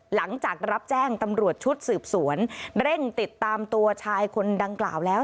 หลังจากรับแจ้งตำรวจชุดสืบสวนเร่งติดตามตัวชายคนดังกล่าวแล้ว